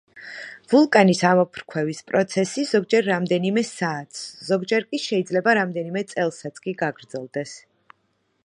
ვულკანის ამოფრქვევის პროცესი ზოგჯერ რამდენიმე საათს, ზოგჯერ კი შეიძლება რამდენიმე წელსაც კი გაგრძელდეს.